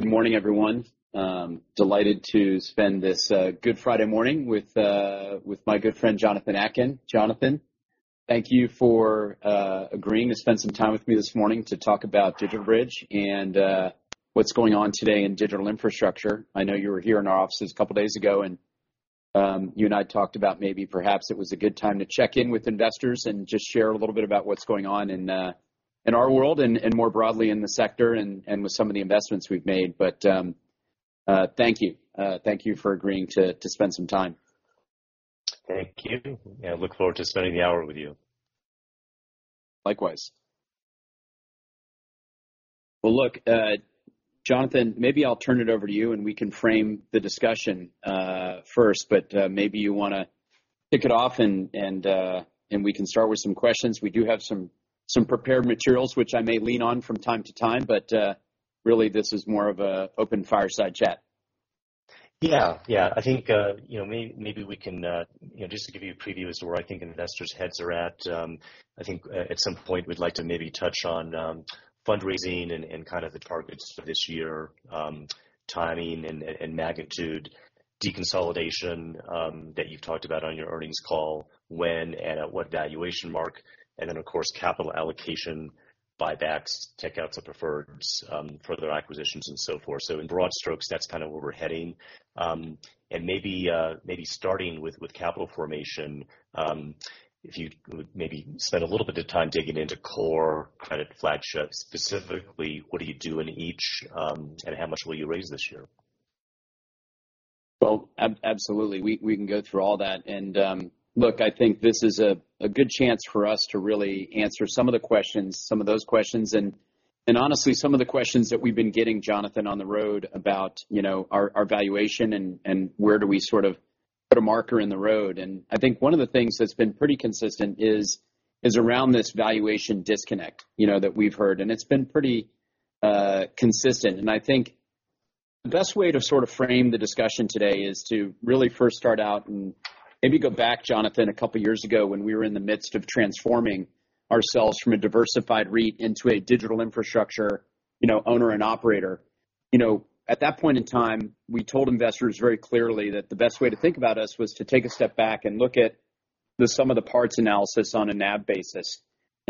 Good morning, everyone. delighted to spend this Good Friday morning with with my good friend, Jonathan Atkin. Jonathan, thank you for agreeing to spend some time with me this morning to talk about DigitalBridge and what's going on today in digital infrastructure. I know you were here in our offices a couple days ago, and you and I talked about maybe perhaps it was a good time to check in with investors and just share a little bit about what's going on in our world and more broadly in the sector and with some of the investments we've made. Thank you. Thank you for agreeing to spend some time. Thank you. I look forward to spending the hour with you. Likewise. Well, look, Jonathan, maybe I'll turn it over to you, and we can frame the discussion, first. Maybe you wanna kick it off and we can start with some questions. We do have some prepared materials which I may lean on from time to time, but, really, this is more of a open fireside chat. Yeah. Yeah. I think, you know, maybe we can, you know, just to give you a preview as to where I think investors' heads are at. I think at some point we'd like to maybe touch on fundraising and kind of the targets for this year, timing and magnitude deconsolidation that you've talked about on your earnings call, when and at what valuation mark. Of course, capital allocation, buybacks, checkouts of preferreds, further acquisitions and so forth. In broad strokes, that's kinda where we're heading. Maybe starting with capital formation, if you would, maybe spend a little bit of time digging into core credit flagship. Specifically, what do you do in each, and how much will you raise this year? Well, absolutely. We can go through all that. Look, I think this is a good chance for us to really answer some of the questions, some of those questions, and honestly, some of the questions that we've been getting, Jonathan, on the road about, you know, our valuation and where do we sort of put a marker in the road. I think one of the things that's been pretty consistent is around this valuation disconnect, you know, that we've heard. It's been pretty consistent. I think the best way to sort of frame the discussion today is to really first start out and maybe go back, Jonathan, a couple years ago when we were in the midst of transforming ourselves from a diversified REIT into a digital infrastructure, you know, owner and operator. You know, at that point in time, we told investors very clearly that the best way to think about us was to take a step back and look at the sum of the parts analysis on an NAV basis.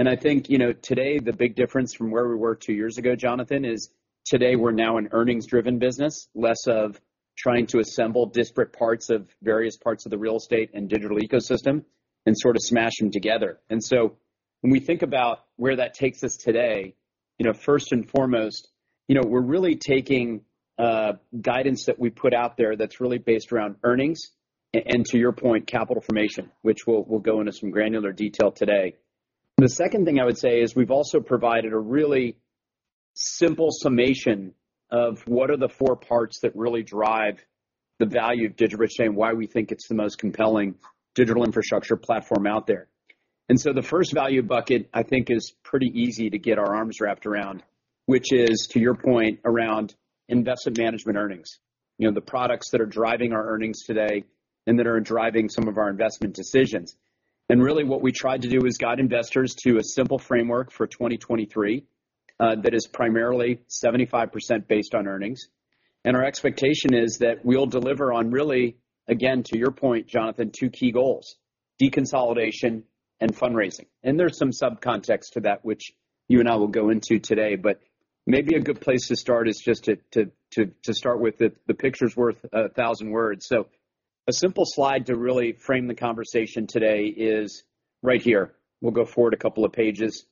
I think, you know, today the big difference from where we were two years ago, Jonathan, is today we're now an earnings-driven business, less of trying to assemble disparate parts of various parts of the real estate and digital ecosystem and sort of smash them together. When we think about where that takes us today, you know, first and foremost, you know, we're really taking guidance that we put out there that's really based around earnings and to your point, capital formation, which we'll go into some granular detail today. The second thing I would say is we've also provided a really simple summation of what are the four parts that really drive the value of DigitalBridge and why we think it's the most compelling digital infrastructure platform out there. The first value bucket, I think, is pretty easy to get our arms wrapped around, which is, to your point, around invested management earnings. You know, the products that are driving our earnings today and that are driving some of our investment decisions. Really what we tried to do is guide investors to a simple framework for 2023 that is primarily 75% based on earnings. Our expectation is that we'll deliver on really, again, to your point, Jonathan, two key goals: deconsolidation and fundraising. There's some subcontext to that which you and I will go into today. Maybe a good place to start is just to start with the picture's worth a 1,000 words. A simple slide to really frame the conversation today is right here. We'll go forward a couple of pages.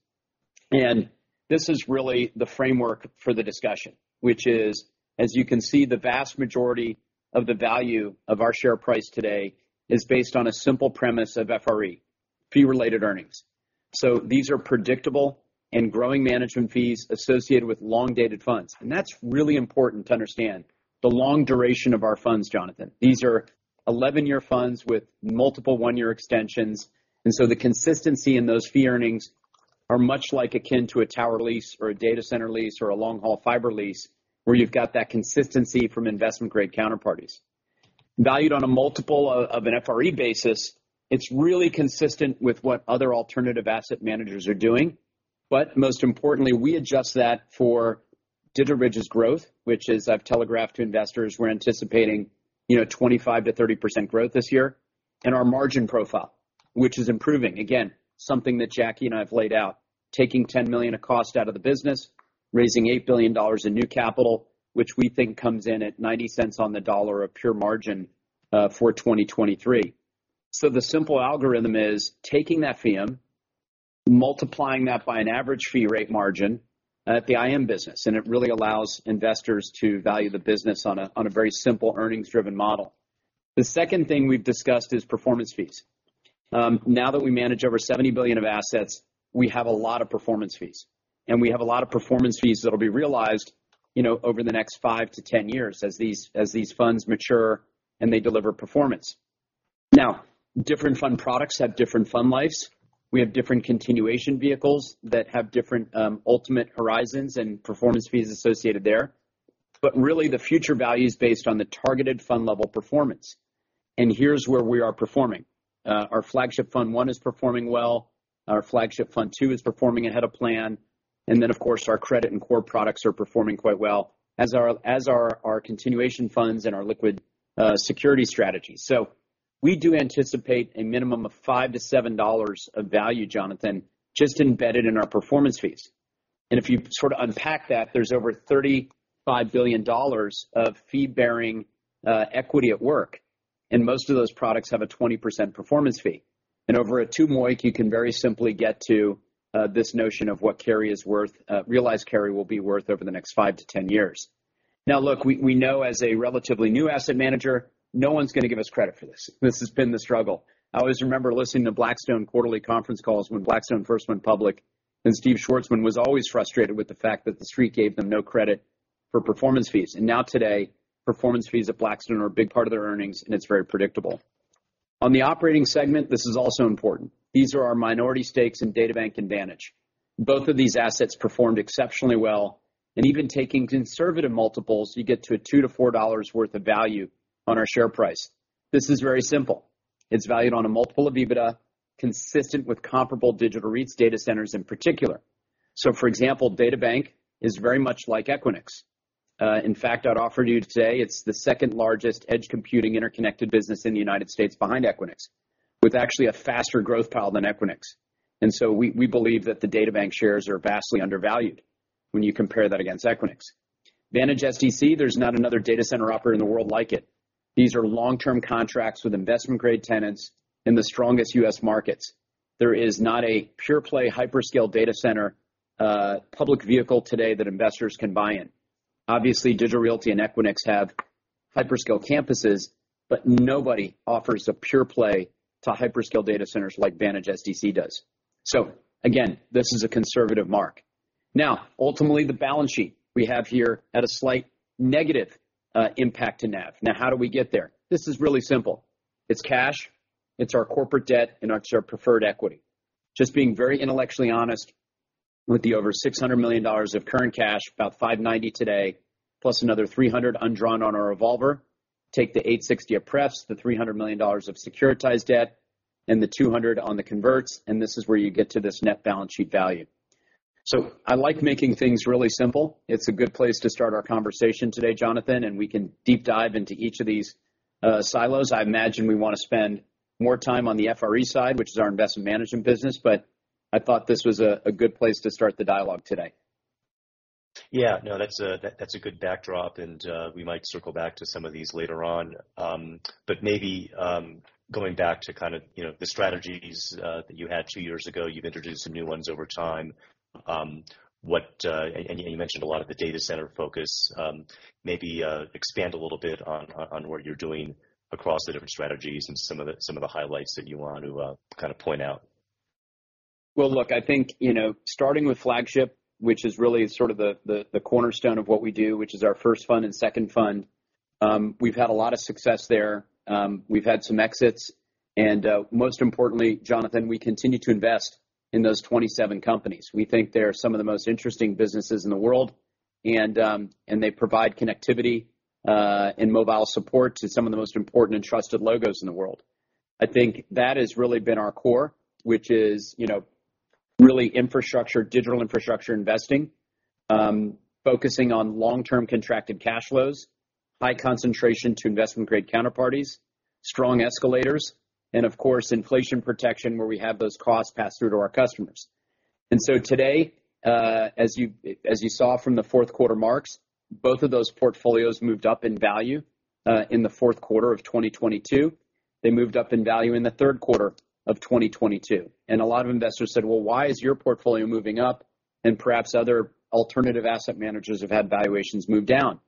This is really the framework for the discussion, which is, as you can see, the vast majority of the value of our share price today is based on a simple premise of FRE, fee-related earnings. These are predictable and growing management fees associated with long-dated funds. That's really important to understand the long duration of our funds, Jonathan. These are 11-year funds with multiple one-year extensions. The consistency in those fee earnings are much like akin to a tower lease or a data center lease or a long-haul fiber lease, where you've got that consistency from investment-grade counterparties. Valued on a multiple of an FRE basis, it's really consistent with what other alternative asset managers are doing. Most importantly, we adjust that for DigitalBridge's growth, which is I've telegraphed to investors, we're anticipating, you know, 25%-30% growth this year. Our margin profile, which is improving, again, something that Jackie and I have laid out. Taking $10 million of cost out of the business, raising $8 billion in new capital, which we think comes in at $0.90 on the dollar of pure margin for 2023. The simple algorithm is taking that fee in, multiplying that by an average fee rate margin at the IM business, and it really allows investors to value the business on a very simple earnings-driven model. The second thing we've discussed is performance fees. Now that we manage over $70 billion of assets, we have a lot of performance fees. We have a lot of performance fees that'll be realized, you know, over the next five to 10 years as these funds mature and they deliver performance. Different fund products have different fund lives. We have different continuation vehicles that have different ultimate horizons and performance fees associated there. Really the future value is based on the targeted fund level performance. Here's where we are performing. Our Flagship Fund I is performing well. Our Flagship Fund II is performing ahead of plan. Then, of course, our credit and core products are performing quite well, as are our continuation funds and our liquid security strategy. We do anticipate a minimum of $5-$7 of value, Jonathan, just embedded in our performance fees. If you sort of unpack that, there's over $35 billion of fee-bearing equity at work, and most of those products have a 20% performance fee. Over at T-Mobile, you can very simply get to this notion of what carry is worth, realized carry will be worth over the next 5-10 years. Look, we know as a relatively new asset manager, no one's gonna give us credit for this. This has been the struggle. I always remember listening to Blackstone quarterly conference calls when Blackstone first went public, and Steve Schwarzman was always frustrated with the fact that the Street gave them no credit for performance fees. Now today, performance fees at Blackstone are a big part of their earnings, and it's very predictable. On the operating segment, this is also important. These are our minority stakes in DataBank and Vantage. Both of these assets performed exceptionally well, and even taking conservative multiples, you get to a $2-$4 worth of value on our share price. This is very simple. It's valued on a multiple of EBITDA, consistent with comparable digital REITs data centers in particular. For example, DataBank is very much like Equinix. In fact, I'd offer to you today it's the 2nd largest edge computing interconnected business in the United States behind Equinix, with actually a faster growth pile than Equinix. We believe that the DataBank shares are vastly undervalued when you compare that against Equinix. Vantage SDC, there's not another data center operator in the world like it. These are long-term contracts with investment-grade tenants in the strongest U.S. markets. There is not a pure play hyperscale data center public vehicle today that investors can buy in. Digital Realty and Equinix have hyperscale campuses, but nobody offers a pure play to hyperscale data centers like Vantage SDC does. Again, this is a conservative mark. Ultimately, the balance sheet we have here at a slight negative impact to NAV. How do we get there? This is really simple. It's cash, it's our corporate debt, and it's our preferred equity. Just being very intellectually honest with the over $600 million of current cash, about $590 today, plus another $300 undrawn on our revolver. Take the 860 of pref's, the $300 million of securitized debt, and the $200 on the converts. This is where you get to this net balance sheet value. I like making things really simple. It's a good place to start our conversation today, Jonathan, and we can deep dive into each of these silos. I imagine we wanna spend more time on the FRE side, which is our investment management business, but I thought this was a good place to start the dialogue today. Yeah. No, that's a, that's a good backdrop, and we might circle back to some of these later on. Maybe, going back to kind of, you know, the strategies that you had two years ago. You've introduced some new ones over time. You mentioned a lot of the data center focus. Maybe, expand a little bit on what you're doing across the different strategies and some of the highlights that you want to kind of point out. Well, look, I think, you know, starting with Flagship, which is really sort of the cornerstone of what we do, which is our first fund and second fund, we've had a lot of success there. We've had some exits, most importantly, Jonathan, we continue to invest in those 27 companies. We think they are some of the most interesting businesses in the world, they provide connectivity and mobile support to some of the most important and trusted logos in the world. I think that has really been our core, which is, you know, really infrastructure, digital infrastructure investing, focusing on long-term contracted cash flows, high concentration to investment-grade counterparties, strong escalators, and of course, inflation protection, where we have those costs passed through to our customers. Today, as you saw from the fourth quarter marks, both of those portfolios moved up in value in the fourth quarter of 2022. They moved up in value in the third quarter of 2022. A lot of investors said, "Well, why is your portfolio moving up, and perhaps other alternative asset managers have had valuations move down?"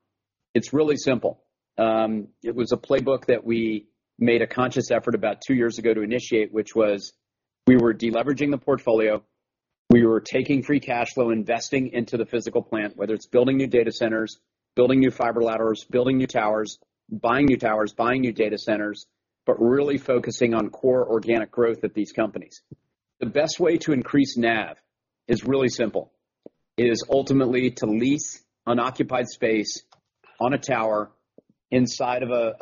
It's really simple. It was a playbook that we made a conscious effort about two years ago to initiate, which was, we were deleveraging the portfolio. We were taking free cash flow, investing into the physical plant, whether it's building new data centers, building new fiber ladders, building new towers, buying new towers, buying new data centers, but really focusing on core organic growth at these companies. The best way to increase NAV is really simple. It is ultimately to lease unoccupied space on a tower inside of a.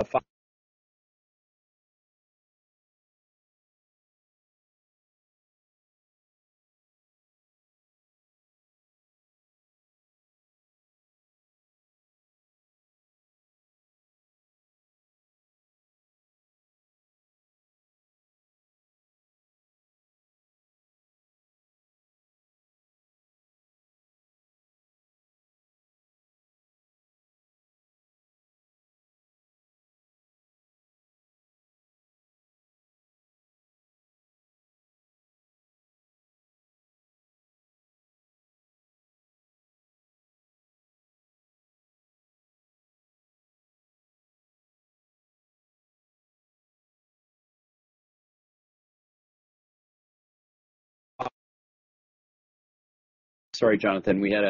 Sorry, Jonathan. We had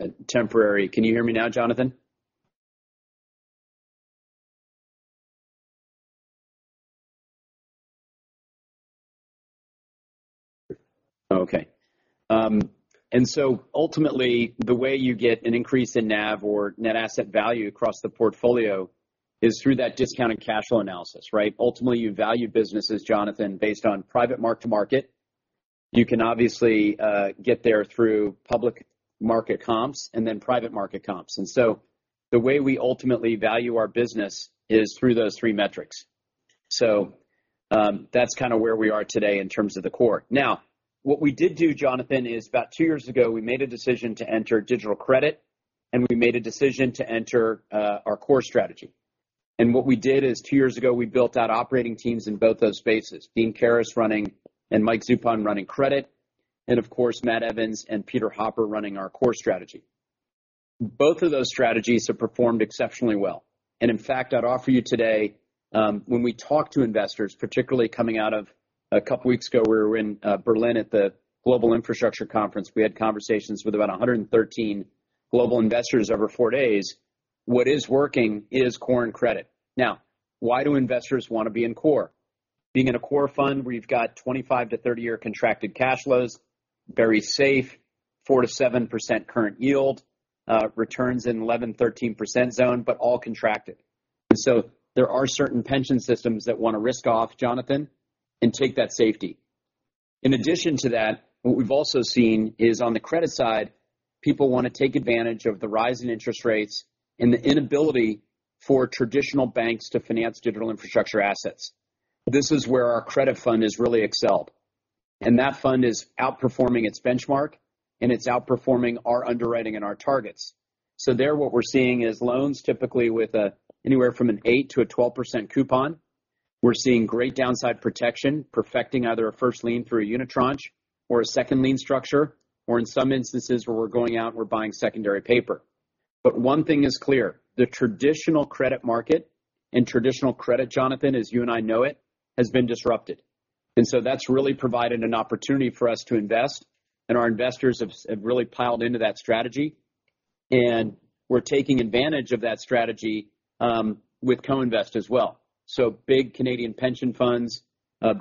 a temporary. Can you hear me now, Jonathan? Okay. Ultimately, the way you get an increase in NAV or net asset value across the portfolio is through that discounted cash flow analysis, right? Ultimately, you value businesses, Jonathan, based on private mark-to-market. You can obviously get there through public market comps and then private market comps. The way we ultimately value our business is through those three metrics. That's kinda where we are today in terms of the core. What we did do, Jonathan, is about two years ago, we made a decision to enter digital credit, and we made a decision to enter our core strategy. What we did is two years ago, we built out operating teams in both those spaces, Dean Carreras running and Mike Zupan running credit, and of course, Matt Evans and Peter Hopper running our core strategy. Both of those strategies have performed exceptionally well. In fact, I'd offer you today, when we talk to investors, particularly coming out of a couple weeks ago, we were in Berlin at the Infrastructure Investor Global Summit. We had conversations with about 113 global investors over four days. What is working is core and credit. Why do investors wanna be in core? Being in a core fund where you've got 25-30-year contracted cash flows, very safe, 4%-7% current yield, returns in 11%, 13% zone, but all contracted. So there are certain pension systems that wanna risk off, Jonathan, and take that safety. In addition to that, what we've also seen is on the credit side, people wanna take advantage of the rise in interest rates and the inability for traditional banks to finance digital infrastructure assets. This is where our credit fund has really excelled, and that fund is outperforming its benchmark, and it's outperforming our underwriting and our targets. There, what we're seeing is loans typically with anywhere from an 8%-12% coupon. We're seeing great downside protection, perfecting either a first lien through a unitranche or a second lien structure, or in some instances, where we're going out and we're buying secondary paper. One thing is clear, the traditional credit market and traditional credit, Jonathan, as you and I know it, has been disrupted. That's really provided an opportunity for us to invest, and our investors have really piled into that strategy. We're taking advantage of that strategy with co-invest as well. Big Canadian pension funds,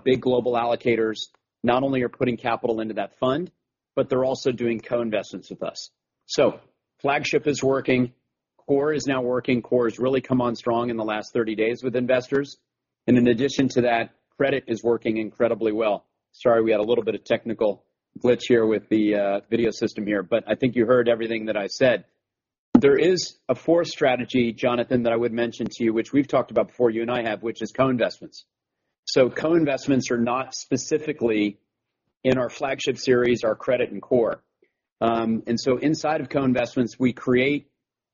big global allocators, not only are putting capital into that fund, but they're also doing co-investments with us. Flagship is working, Core is now working. Core has really come on strong in the last 30 days with investors. In addition to that, credit is working incredibly well. Sorry, we had a little bit of technical glitch here with the video system here, but I think you heard everything that I said. There is a fourth strategy, Jonathan, that I would mention to you, which we've talked about before, you and I have, which is co-investments. Co-investments are not specifically in our flagship series, our credit and core. Inside of co-investments, we create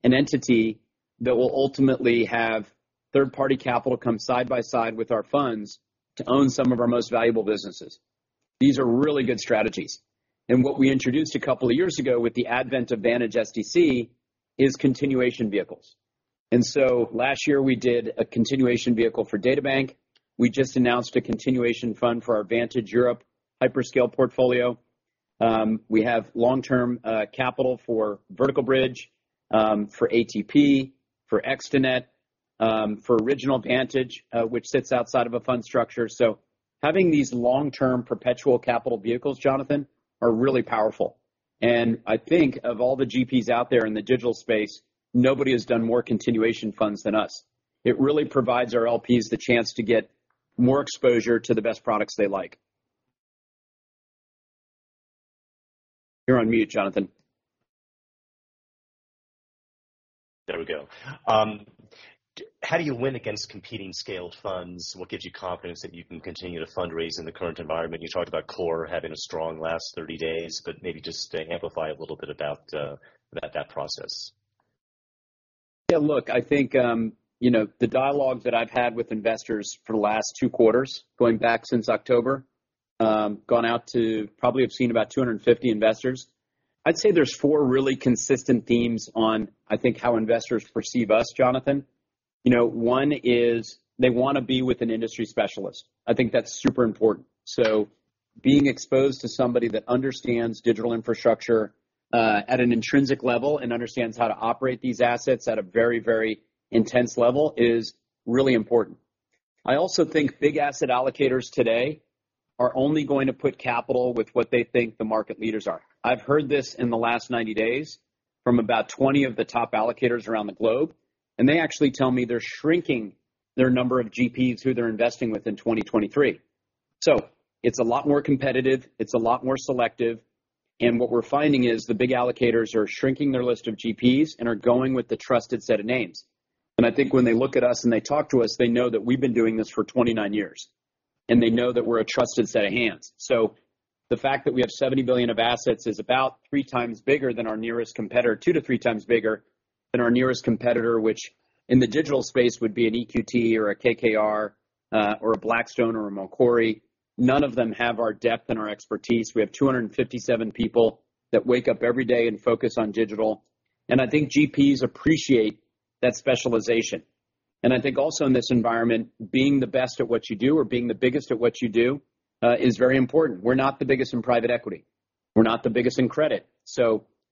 an entity that will ultimately have third-party capital come side by side with our funds to own some of our most valuable businesses. These are really good strategies. What we introduced two years ago with the advent of Vantage SDC is continuation vehicles. Last year, we did a continuation vehicle for DataBank. We just announced a continuation fund for our Vantage Europe hyperscale portfolio. We have long-term capital for Vertical Bridge, for ATP, for ExteNet, for original Vantage, which sits outside of a fund structure. Having these long-term perpetual capital vehicles, Jonathan, are really powerful. I think of all the GPs out there in the digital space, nobody has done more continuation funds than us. It really provides our LPs the chance to get more exposure to the best products they like. You're on mute, Jonathan. There we go. How do you win against competing scaled funds? What gives you confidence that you can continue to fundraise in the current environment? You talked about Core having a strong last 30 days, maybe just amplify a little bit about that process. Look, I think, you know, the dialogue that I've had with investors for the last two quarters, going back since October, gone out to probably have seen about 250 investors. I'd say there's four really consistent themes on, I think, how investors perceive us, Jonathan. You know, one is they wanna be with an industry specialist. I think that's super important. Being exposed to somebody that understands digital infrastructure, at an intrinsic level and understands how to operate these assets at a very, very intense level is really important. I also think big asset allocators today are only going to put capital with what they think the market leaders are. I've heard this in the last 90 days from about 20 of the top allocators around the globe, they actually tell me they're shrinking their number of GPs who they're investing with in 2023. It's a lot more competitive, it's a lot more selective, and what we're finding is the big allocators are shrinking their list of GPs and are going with the trusted set of names. I think when they look at us and they talk to us, they know that we've been doing this for 29 years, and they know that we're a trusted set of hands. The fact that we have $70 billion of assets is about three times bigger than our nearest competitor, two to three times bigger than our nearest competitor, which in the digital space would be an EQT or a KKR, or a Blackstone or a Macquarie. None of them have our depth and our expertise. We have 257 people that wake up every day and focus on digital. I think GPs appreciate that specialization. I think also in this environment, being the best at what you do or being the biggest at what you do, is very important. We're not the biggest in private equity. We're not the biggest in credit.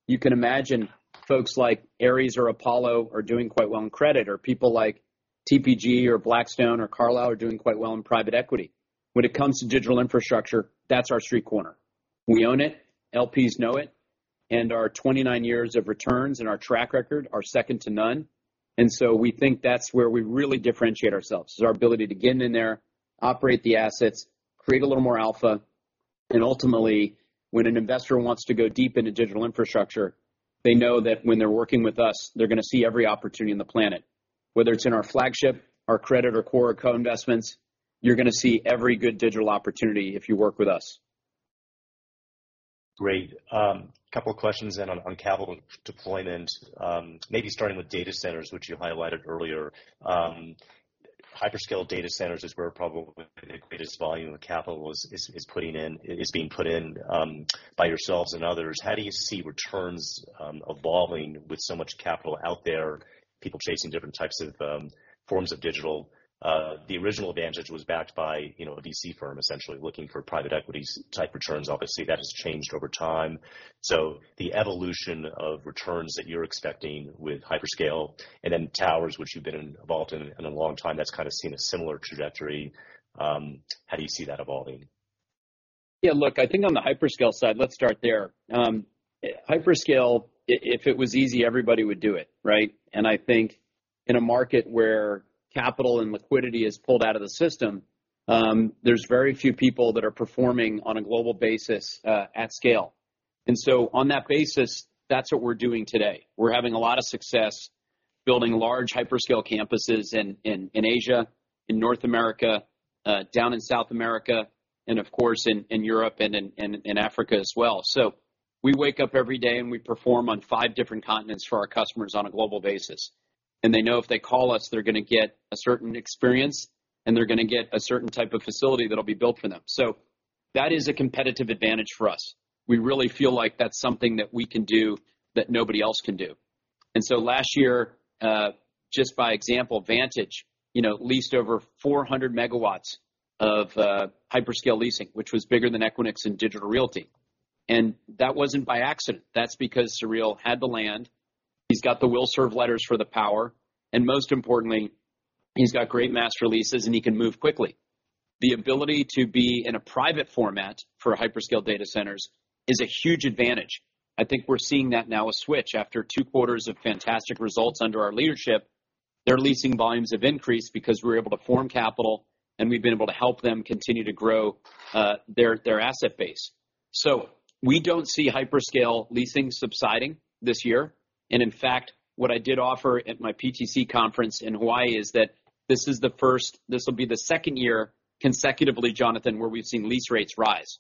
You can imagine folks like Ares or Apollo are doing quite well in credit, or people like TPG or Blackstone or Carlyle are doing quite well in private equity. When it comes to digital infrastructure, that's our street corner. We own it, LPs know it, our 29 years of returns and our track record are second to none. We think that's where we really differentiate ourselves, is our ability to get in there, operate the assets, create a little more alpha. Ultimately, when an investor wants to go deep into digital infrastructure, they know that when they're working with us, they're gonna see every opportunity on the planet. Whether it's in our flagship, our credit or core co-investments, you're gonna see every good digital opportunity if you work with us. Great. Couple questions on capital deployment, maybe starting with data centers, which you highlighted earlier. Hyperscale data centers is where probably the greatest volume of capital is being put in by yourselves and others. How do you see returns evolving with so much capital out there, people chasing different types of forms of digital? The original advantage was backed by, you know, a VC firm, essentially, looking for private equities type returns. Obviously, that has changed over time. The evolution of returns that you're expecting with hyperscale and towers, which you've been involved in a long time, that's kinda seen a similar trajectory. How do you see that evolving? Yeah, look, I think on the hyperscale side, let's start there. Hyperscale, if it was easy, everybody would do it, right? I think in a market where capital and liquidity is pulled out of the system, there's very few people that are performing on a global basis at scale. On that basis, that's what we're doing today. We're having a lot of success building large hyperscale campuses in Asia, in North America, down in South America, and of course, in Europe and in Africa as well. We wake up every day and we perform on five different continents for our customers on a global basis. They know if they call us, they're gonna get a certain experience and they're gonna get a certain type of facility that'll be built for them. That is a competitive advantage for us. We really feel like that's something that we can do that nobody else can do. Last year, just by example, Vantage, you know, leased over 400 megawatts of hyperscale leasing, which was bigger than Equinix and Digital Realty. That wasn't by accident. That's because Sureel had the land. He's got the will serve letters for the power, and most importantly, he's got great mass releases, and he can move quickly. The ability to be in a private format for hyperscale data centers is a huge advantage. I think we're seeing that now with Switch. After two quarters of fantastic results under our leadership, their leasing volumes have increased because we're able to form capital, and we've been able to help them continue to grow their asset base. We don't see hyperscale leasing subsiding this year. In fact, what I did offer at my PTC conference in Hawaii is that this will be the second year consecutively, Jonathan, where we've seen lease rates rise.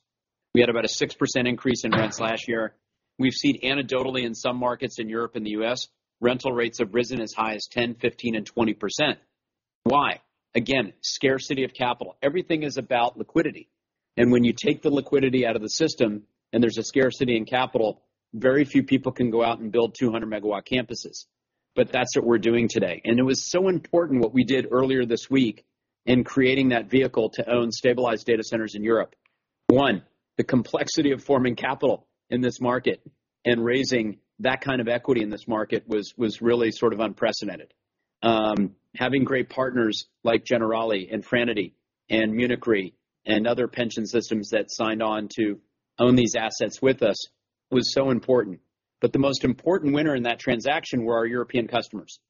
We had about a 6% increase in rents last year. We've seen anecdotally in some markets in Europe and the U.S., rental rates have risen as high as 10%, 15%, and 20%. Why? Again, scarcity of capital. Everything is about liquidity. When you take the liquidity out of the system and there's a scarcity in capital, very few people can go out and build 200 megawatt campuses. That's what we're doing today. It was so important what we did earlier this week in creating that vehicle to own stabilized data centers in Europe. The complexity of forming capital in this market and raising that kind of equity in this market was really sort of unprecedented. Having great partners like Generali and Infranity and Munich Re and other pension systems that signed on to own these assets with us was so important. The most important winner in that transaction were our European customers.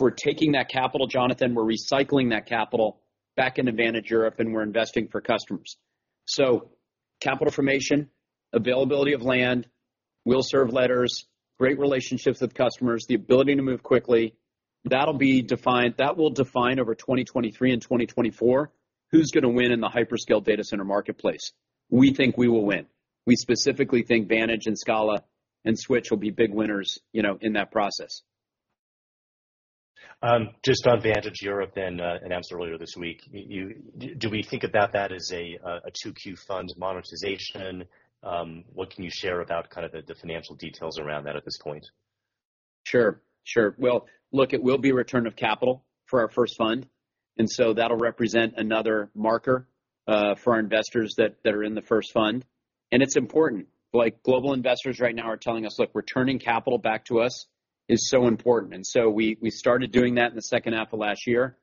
We're taking that capital, Jonathan, we're recycling that capital back into Vantage Europe, and we're investing for customers. Capital formation, availability of land, will serve letters, great relationships with customers, the ability to move quickly, that will define over 2023 and 2024 who's going to win in the hyperscale data center marketplace. We think we will win. We specifically think Vantage and Scala and Switch will be big winners, you know, in that process. Just on Vantage Europe, then, announced earlier this week. Do we think about that as a 2Q fund monetization? What can you share about kind of the financial details around that at this point? Sure. Sure. Well, look, it will be return of capital for our first fund, and so that'll represent another marker for our investors that are in the first fund. It's important. Like, global investors right now are telling us, "Look, returning capital back to us is so important." We started doing that in the second half of last year.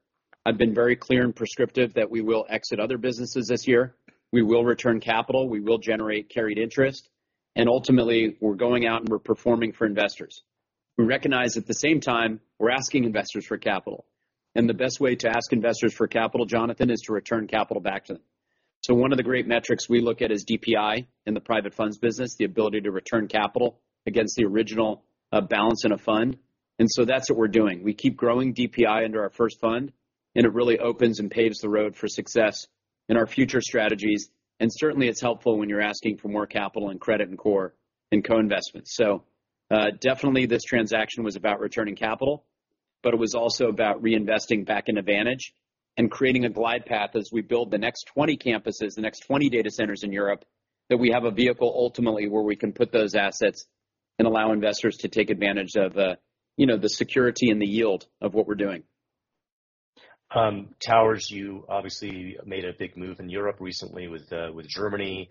I've been very clear and prescriptive that we will exit other businesses this year. We will return capital, we will generate carried interest, and ultimately, we're going out and we're performing for investors. We recognize at the same time, we're asking investors for capital. The best way to ask investors for capital, Jonathan, is to return capital back to them. One of the great metrics we look at is DPI in the private funds business, the ability to return capital against the original balance in a fund. That's what we're doing. We keep growing DPI under our first fund, and it really opens and paves the road for success in our future strategies. Certainly it's helpful when you're asking for more capital and credit and core and co-investments. Definitely this transaction was about returning capital, but it was also about reinvesting back into Vantage and creating a glide path as we build the next 20 campuses, the next 20 data centers in Europe, that we have a vehicle ultimately where we can put those assets and allow investors to take advantage of, you know, the security and the yield of what we're doing. Towers, you obviously made a big move in Europe recently with Germany.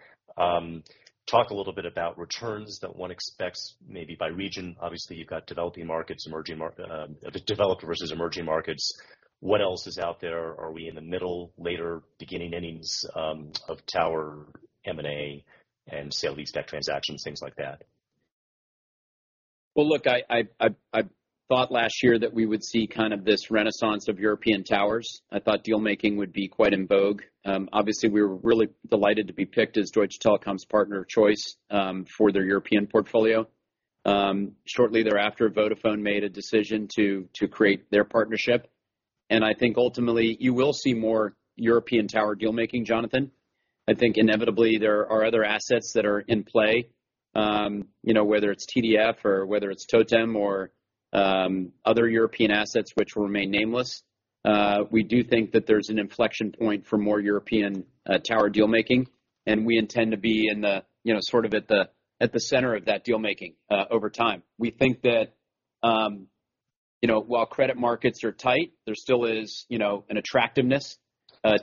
Talk a little bit about returns that one expects maybe by region. Obviously, you've got developing markets, emerging markets. Developed versus emerging markets. What else is out there? Are we in the middle, later, beginning innings of tower M&A and sale leaseback transactions, things like that? Well, look, I thought last year that we would see kind of this renaissance of European towers. I thought deal-making would be quite in vogue. Obviously we were really delighted to be picked as Deutsche Telekom's partner of choice for their European portfolio. Shortly thereafter, Vodafone made a decision to create their partnership. I think ultimately you will see more European tower deal-making, Jonathan. I think inevitably there are other assets that are in play, you know, whether it's TDF or whether it's Totem or other European assets which will remain nameless. We do think that there's an inflection point for more European tower deal-making, and we intend to be in the, you know, sort of at the center of that deal-making over time. We think that, you know, while credit markets are tight, there still is, you know, an attractiveness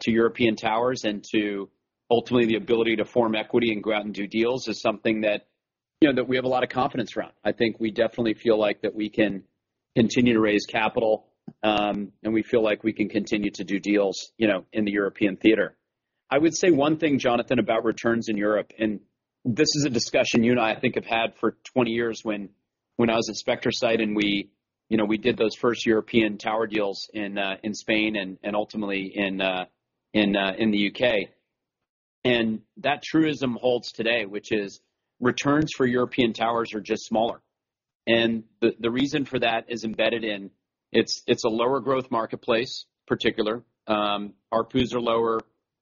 to European towers and to ultimately the ability to form equity and go out and do deals is something that, you know, that we have a lot of confidence around. I think we definitely feel like that we can continue to raise capital, and we feel like we can continue to do deals, you know, in the European theater. I would say one thing, Jonathan, about returns in Europe. This is a discussion you and I think have had for 20 years when I was at SpectraSite and we, you know, we did those first European tower deals in Spain and ultimately in the U.K. That truism holds today, which is returns for European towers are just smaller. The reason for that is embedded in it's a lower growth marketplace particular. Our POPs are lower.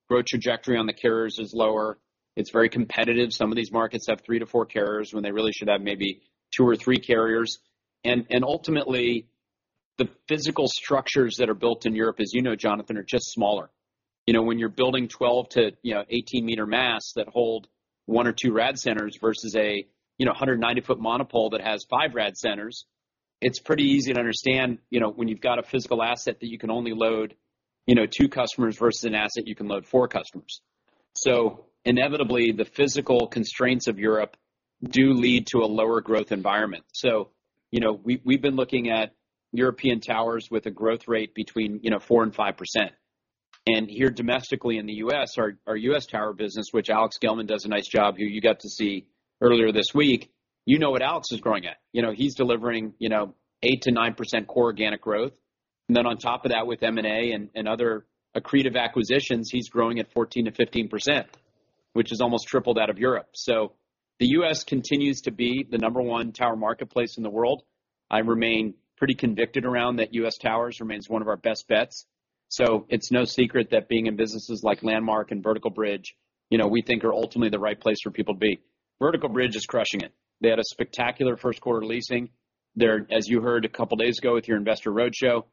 Growth trajectory on the carriers is lower. It's very competitive. Some of these markets have 3-4 carriers when they really should have maybe two or three carriers. Ultimately, the physical structures that are built in Europe, as you know, Jonathan, are just smaller. When you're building 12 to 18 meter masts that hold one or two RAD centers versus a 190 foot monopole that has five RAD centers, it's pretty easy to understand, you know, when you've got a physical asset that you can only load, you know, two customers versus an asset you can load four customers. Inevitably, the physical constraints of Europe do lead to a lower growth environment. You know, we've been looking at European towers with a growth rate between, you know, 4% and 5%. Here domestically in the U.S., our U.S. tower business, which Alex Gellman does a nice job, who you got to see earlier this week. You know what Alex is growing at. You know, he's delivering, you know, 8%-9% core organic growth. Then on top of that, with M&A and other accretive acquisitions, he's growing at 14%-15%, which is almost triple that of Europe. The U.S. continues to be the number one tower marketplace in the world. I remain pretty convicted around that U.S. towers remains one of our best bets. It's no secret that being in businesses like Landmark and Vertical Bridge, you know, we think are ultimately the right place for people to be. Vertical Bridge is crushing it. They had a spectacular first quarter leasing. As you heard a couple days ago with your investor roadshow,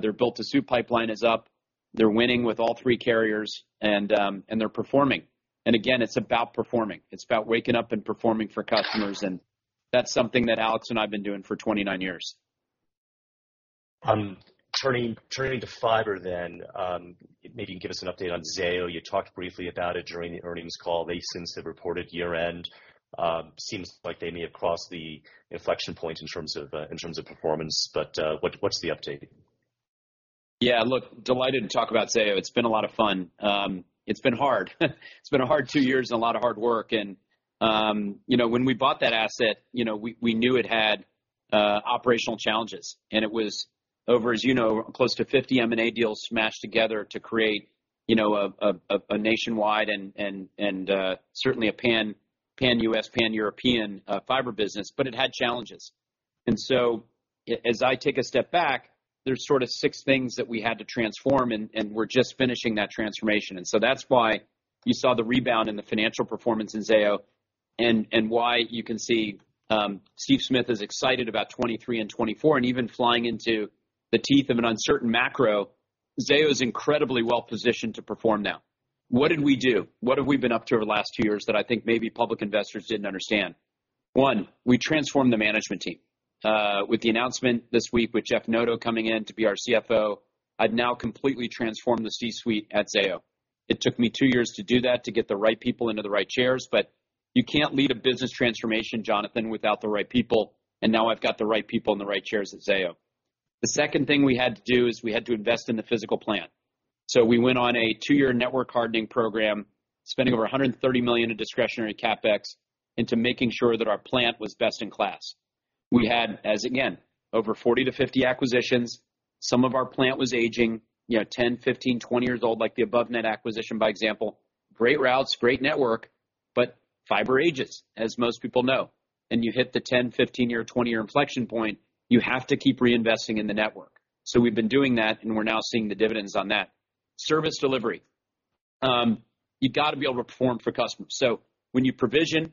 their built to suit pipeline is up. They're winning with all three carriers and they're performing. Again, it's about performing. It's about waking up and performing for customers, and that's something that Alex and I've been doing for 29 years. Turning to fiber, maybe give us an update on Zayo. You talked briefly about it during the earnings call. They since have reported year-end. Seems like they may have crossed the inflection point in terms of performance, what's the update? Yeah, look, delighted to talk about Zayo. It's been a lot of fun. It's been hard. It's been a hard two years and a lot of hard work and, you know, when we bought that asset, you know, we knew it had operational challenges. It was over, as you know, close to 50 M&A deals smashed together to create, you know, a nationwide and, certainly a pan-US, pan-European fiber business, but it had challenges. As I take a step back, there's sort of six things that we had to transform, and we're just finishing that transformation. That's why you saw the rebound in the financial performance in Zayo and why you can see Steve Smith is excited about 2023 and 2024 and even flying into the teeth of an uncertain macro. Zayo is incredibly well-positioned to perform now. What did we do? What have we been up to over the last two years that I think maybe public investors didn't understand? One, we transformed the management team. With the announcement this week with Jacky Wu coming in to be our CFO, I've now completely transformed the C-suite at Zayo. It took me two years to do that, to get the right people into the right chairs, but you can't lead a business transformation, Jonathan, without the right people. Now I've got the right people in the right chairs at Zayo. The second thing we had to do is we had to invest in the physical plant. We went on a 2-year network hardening program, spending over $130 million in discretionary CapEx into making sure that our plant was best in class. We had, as again, over 40 to 50 acquisitions. Some of our plant was aging, you know, 10, 15, 20 years old, like the AboveNet acquisition, by example. Great routes, great network, but fiber ages, as most people know. You hit the 10, 15 year, 20 year inflection point, you have to keep reinvesting in the network. We've been doing that, and we're now seeing the dividends on that. Service delivery. You've got to be able to perform for customers. When you provision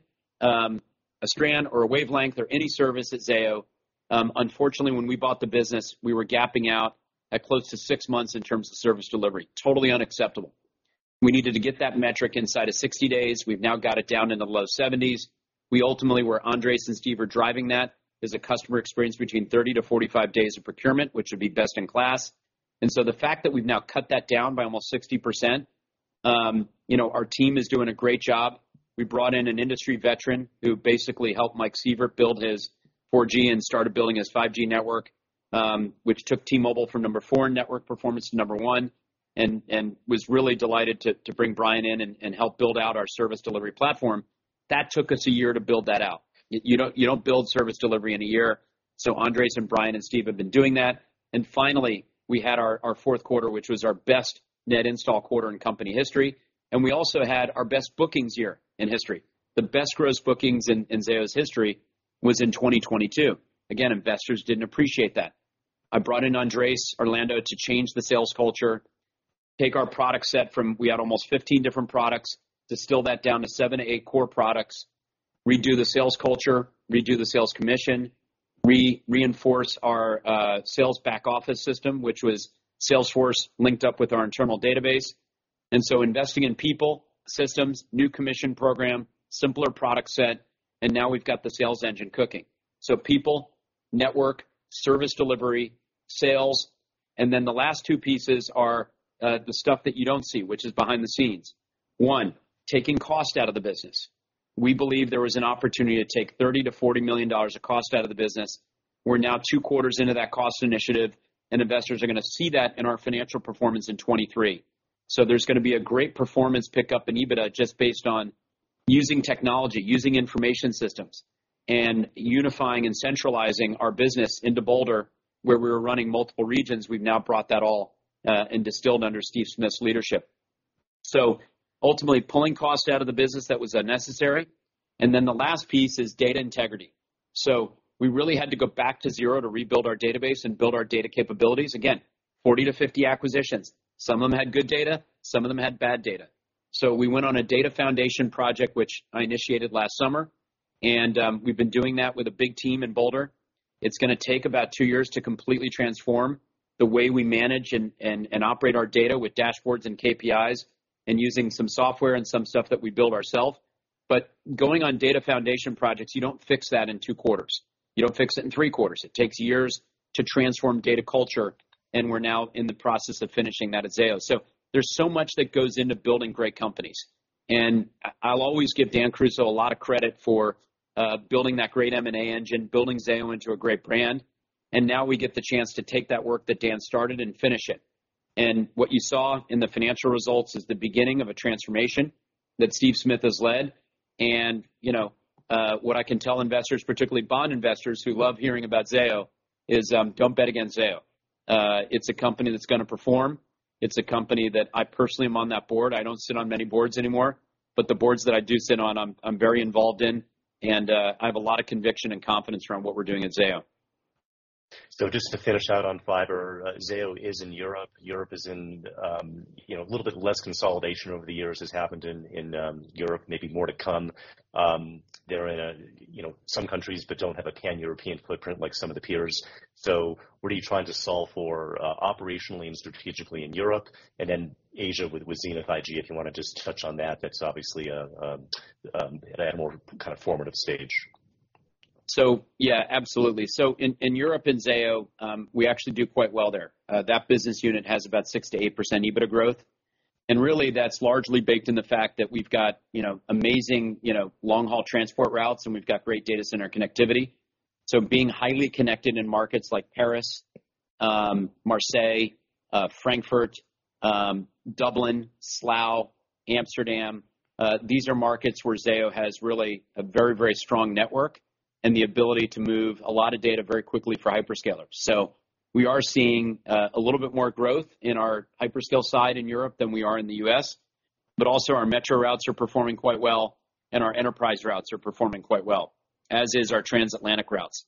a strand or a wavelength or any service at Zayo, unfortunately when we bought the business, we were gapping out at close to six months in terms of service delivery. Totally unacceptable. We needed to get that metric inside of 60 days. We've now got it down in the low 70s. We ultimately, where Andres and Steve are driving that, is a customer experience between 30-45 days of procurement, which would be best in class. The fact that we've now cut that down by almost 60%, you know, our team is doing a great job. We brought in an industry veteran who basically helped Mike Sievert build his 4G and started building his 5G network, which took T-Mobile from number 4 network performance to number 1, and was really delighted to bring Brian in and help build out our service delivery platform. That took us a year to build that out. You don't build service delivery in a year. Andres and Brian and Steve have been doing that. Finally, we had our fourth quarter, which was our best net install quarter in company history. We also had our best bookings year in history. The best gross bookings in Zayo's history was in 2022. Again, investors didn't appreciate that. I brought in Andres Irlando to change the sales culture, take our product set from we had almost 15 different products, distill that down to seven to eight core products, redo the sales culture, redo the sales commission, reinforce our sales back office system, which was Salesforce linked up with our internal database. Investing in people, systems, new commission program, simpler product set, and now we've got the sales engine cooking. People, network, service delivery, sales. The last two pieces are the stuff that you don't see, which is behind the scenes. One, taking cost out of the business. We believe there was an opportunity to take $30 million-$40 million of cost out of the business. We're now two quarters into that cost initiative. Investors are gonna see that in our financial performance in 2023. There's gonna be a great performance pickup in EBITDA just based on using technology, using information systems, and unifying and centralizing our business into Boulder, where we were running multiple regions. We've now brought that all and distilled under Steve Smith's leadership. Ultimately, pulling cost out of the business that was unnecessary. The last piece is data integrity. We really had to go back to zero to rebuild our database and build our data capabilities. Again, 40-50 acquisitions. Some of them had good data, some of them had bad data. We went on a data foundation project, which I initiated last summer, and we've been doing that with a big team in Boulder. It's gonna take about two years to completely transform the way we manage and operate our data with dashboards and KPIs and using some software and some stuff that we build ourselves. Going on data foundation projects, you don't fix that in two quarters. You don't fix it in three quarters. It takes years to transform data culture, and we're now in the process of finishing that at Zayo. There's so much that goes into building great companies, and I'll always give Dan Caruso a lot of credit for building that great M&A engine, building Zayo into a great brand, and now we get the chance to take that work that Dan started and finish it. What you saw in the financial results is the beginning of a transformation that Steve Smith has led. You know, what I can tell investors, particularly bond investors who love hearing about Zayo, is, don't bet against Zayo. It's a company that's gonna perform. It's a company that I personally am on that board. I don't sit on many boards anymore, but the boards that I do sit on, I'm very involved in, and, I have a lot of conviction and confidence around what we're doing at Zayo. Just to finish out on fiber, Zayo is in Europe. Europe is in, you know, a little bit less consolidation over the years has happened in Europe, maybe more to come. They're in, you know, some countries, but don't have a pan-European footprint like some of the peers. What are you trying to solve for, operationally and strategically in Europe? Asia with Xenith IG, if you wanna just touch on that's obviously at a more kind of formative stage. Yeah, absolutely. In Europe, in Zayo, we actually do quite well there. That business unit has about 6%-8% EBITDA growth. Really that's largely baked in the fact that we've got, you know, amazing, you know, long-haul transport routes, and we've got great data center connectivity. Being highly connected in markets like Paris, Marseille, Frankfurt, Dublin, Slough, Amsterdam, these are markets where Zayo has really a very, very strong network and the ability to move a lot of data very quickly for hyperscalers. We are seeing a little bit more growth in our hyperscale side in Europe than we are in the U.S. Also our metro routes are performing quite well, and our enterprise routes are performing quite well, as is our transatlantic routes.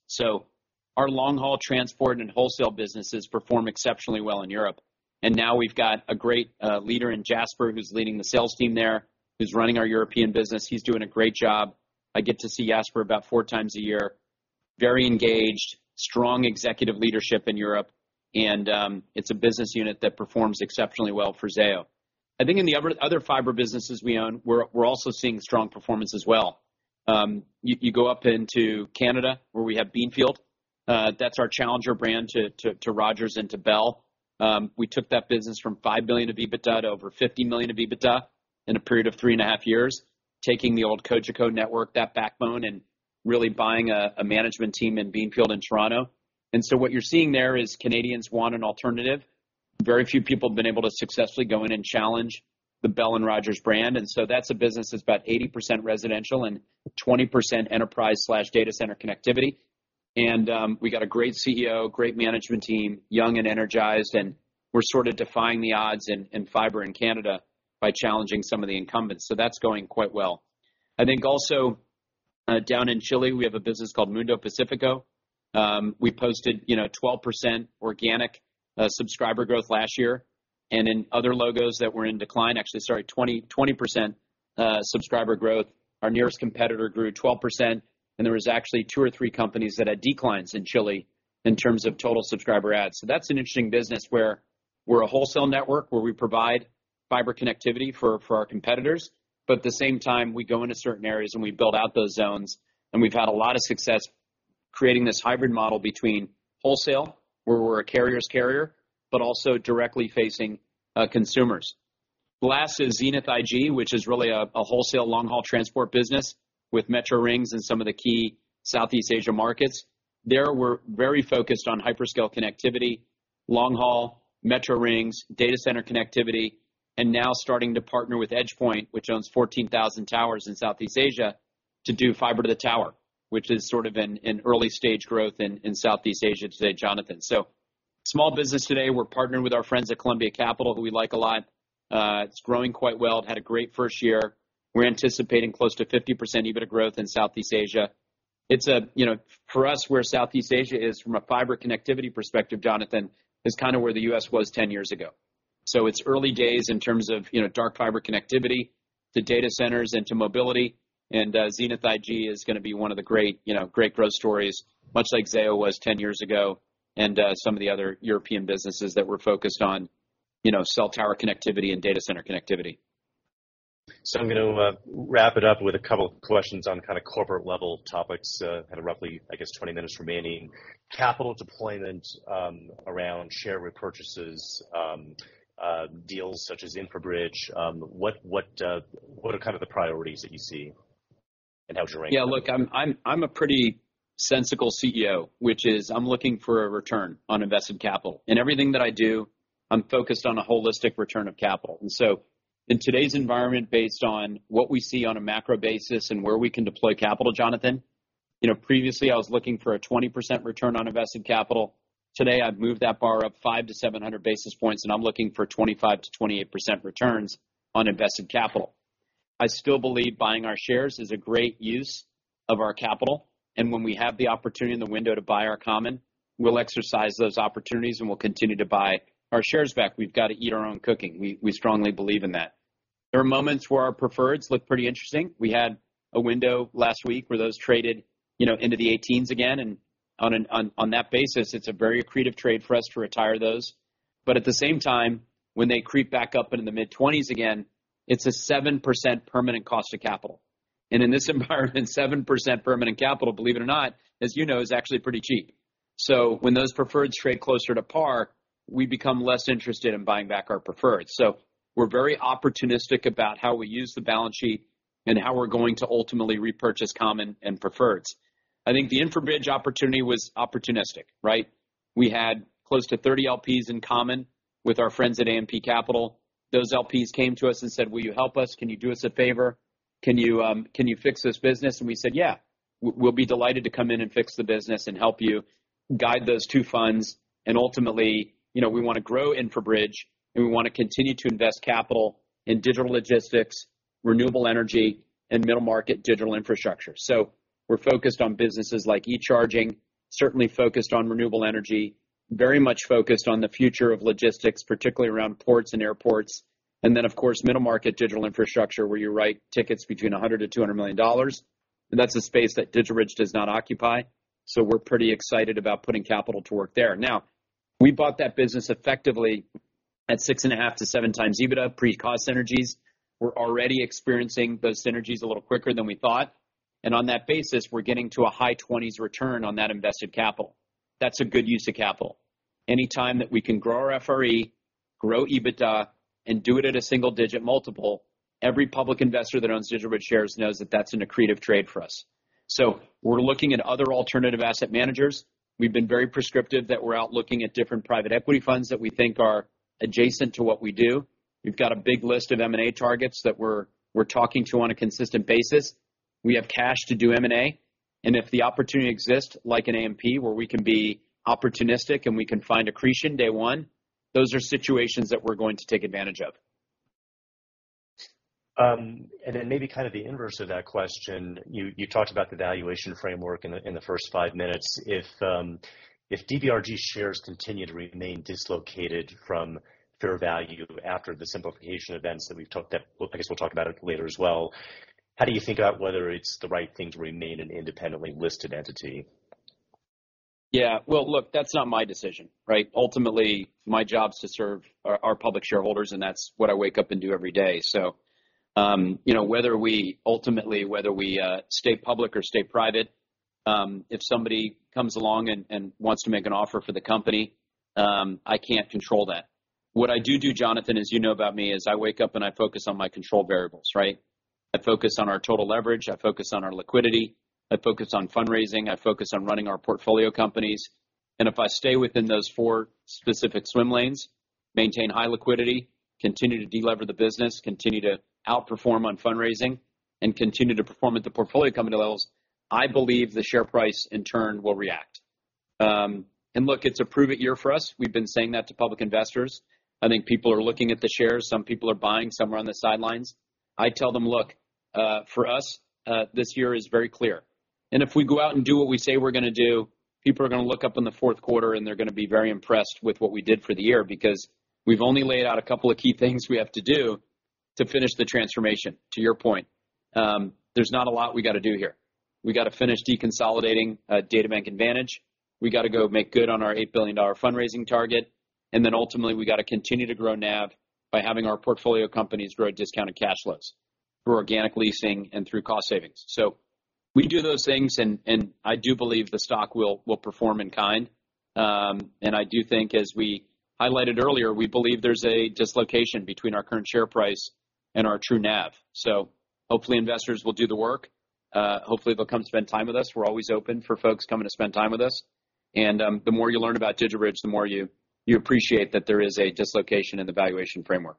Our long-haul transport and wholesale businesses perform exceptionally well in Europe. Now we've got a great leader in Jesper, who's leading the sales team there, who's running our European business. He's doing a great job. I get to see Jesper about four times a year. Very engaged, strong executive leadership in Europe. It's a business unit that performs exceptionally well for Zayo. I think in the other fiber businesses we own, we're also seeing strong performance as well. You go up into Canada, where we have Beanfield, that's our challenger brand to Rogers and to Bell. We took that business from $5 billion of EBITDA to over $50 million of EBITDA in a period of 3.5 years, taking the old Cogeco network, that backbone, and really buying a management team in Beanfield in Toronto. What you're seeing there is Canadians want an alternative. Very few people have been able to successfully go in and challenge the Bell and Rogers brand. That's a business that's about 80% residential and 20% enterprise/data center connectivity. We got a great CEO, great management team, young and energized, and we're sort of defying the odds in fiber in Canada by challenging some of the incumbents. That's going quite well. I think also, down in Chile, we have a business called Mundo Pacifico. We posted, you know, 12% organic subscriber growth last year. In other logos that were in decline... Actually, sorry, 20% subscriber growth. Our nearest competitor grew 12%, and there were actually two or three companies that had declines in Chile. In terms of total subscriber ads. That's an interesting business where we're a wholesale network where we provide fiber connectivity for our competitors, but at the same time, we go into certain areas, and we build out those zones, and we've had a lot of success creating this hybrid model between wholesale, where we're a carrier's carrier, but also directly facing consumers. Last is Xenith IG, which is really a wholesale long-haul transport business with metro rings in some of the key Southeast Asia markets. There, we're very focused on hyperscale connectivity, long haul, metro rings, data center connectivity, and now starting to partner with EdgePoint, which owns 14,000 towers in Southeast Asia, to do fiber to the tower, which is sort of an early-stage growth in Southeast Asia today, Jonathan. Small business today, we're partnering with our friends at Columbia Capital who we like a lot. It's growing quite well. It had a great first year. We're anticipating close to 50% EBITDA growth in Southeast Asia. It's a, you know, for us, where Southeast Asia is from a fiber connectivity perspective, Jonathan, is kinda where the U.S. was 10 years ago. It's early days in terms of, you know, dark fiber connectivity to data centers and to mobility. Xenith IG is gonna be one of the great, you know, great growth stories, much like Zayo was 10 years ago and, some of the other European businesses that we're focused on, you know, cell tower connectivity and data center connectivity. I'm gonna wrap it up with a couple of questions on kind of corporate-level topics. Kind of roughly, I guess, 20 minutes remaining. Capital deployment, around share repurchases, deals such as InfraBridge, what are kind of the priorities that you see and how would you rank them? Yeah, look, I'm a pretty sensical CEO, which is I'm looking for a return on invested capital. In everything that I do, I'm focused on a holistic return of capital. And so in today's environment, based on what we see on a macro basis and where we can deploy capital, Jonathan, you know, previously I was looking for a 20% return on invested capital. Today, I've moved that bar up 500-700 basis points, and I'm looking for 25%-28% returns on invested capital. I still believe buying our shares is a great use of our capital. And when we have the opportunity in the window to buy our common, we'll exercise those opportunities, and we'll continue to buy our shares back. We've got to eat our own cooking. We strongly believe in that. There are moments where our preferreds look pretty interesting. We had a window last week where those traded, you know, into the 18s again. On that basis, it's a very accretive trade for us to retire those. At the same time, when they creep back up into the mid-20s again, it's a 7% permanent cost of capital. In this environment, 7% permanent capital, believe it or not, as you know, is actually pretty cheap. When those preferreds trade closer to par, we become less interested in buying back our preferreds. We're very opportunistic about how we use the balance sheet and how we're going to ultimately repurchase common and preferreds. I think the InfraBridge opportunity was opportunistic, right? We had close to 30 LPs in common with our friends at AMP Capital. Those LPs came to us and said, "Will you help us? Can you do us a favor? Can you, can you fix this business?" We said, "Yeah, we'll be delighted to come in and fix the business and help you guide those two funds." Ultimately, you know, we wanna grow InfraBridge, and we wanna continue to invest capital in digital logistics, renewable energy, and middle market digital infrastructure. We're focused on businesses like e-charging, certainly focused on renewable energy, very much focused on the future of logistics, particularly around ports and airports, and then, of course, middle market digital infrastructure, where you write tickets between $100 million-$200 million. That's a space that DigitalBridge does not occupy, so we're pretty excited about putting capital to work there. We bought that business effectively at 6.5-7x EBITDA pre cost synergies. We're already experiencing those synergies a little quicker than we thought. On that basis, we're getting to a high 20s return on that invested capital. That's a good use of capital. Anytime that we can grow our FRE, grow EBITDA, and do it at a single-digit multiple, every public investor that owns DigitalBridge shares knows that that's an accretive trade for us. We're looking at other alternative asset managers. We've been very prescriptive that we're out looking at different private equity funds that we think are adjacent to what we do. We've got a big list of M&A targets that we're talking to on a consistent basis. We have cash to do M&A, and if the opportunity exists like an AMP, where we can be opportunistic and we can find accretion day one, those are situations that we're going to take advantage of. Then maybe kind of the inverse of that question. You talked about the valuation framework in the first five minutes. If DBRG shares continue to remain dislocated from fair value after the simplification events that we've talked about, I guess we'll talk about it later as well, how do you think about whether it's the right thing to remain an independently listed entity? Yeah. Well, look, that's not my decision, right? Ultimately, my job is to serve our public shareholders, and that's what I wake up and do every day. You know, ultimately, whether we stay public or stay private, if somebody comes along and wants to make an offer for the company, I can't control that. What I do do, Jonathan, as you know about me, is I wake up and I focus on my control variables, right? I focus on our total leverage. I focus on our liquidity. I focus on fundraising. I focus on running our portfolio companies. If I stay within those four specific swim lanes, maintain high liquidity, continue to delever the business, continue to outperform on fundraising, and continue to perform at the portfolio company levels, I believe the share price in turn will react. Look, it's a prove it year for us. We've been saying that to public investors. I think people are looking at the shares. Some people are buying, some are on the sidelines. I tell them, "Look, for us, this year is very clear." If we go out and do what we say we're gonna do, people are gonna look up in the fourth quarter, and they're gonna be very impressed with what we did for the year because we've only laid out a couple of key things we have to do. To finish the transformation, to your point, there's not a lot we gotta do here. We gotta finish deconsolidating, DataBank Advantage. We gotta go make good on our $8 billion fundraising target. Ultimately, we gotta continue to grow NAV by having our portfolio companies grow at discounted cash flows through organic leasing and through cost savings. We do those things, and I do believe the stock will perform in kind. I do think as we highlighted earlier, we believe there's a dislocation between our current share price and our true NAV. Hopefully investors will do the work. Hopefully they'll come spend time with us. We're always open for folks coming to spend time with us. The more you learn about DigitalBridge, the more you appreciate that there is a dislocation in the valuation framework.